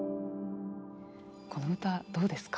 この歌どうですか？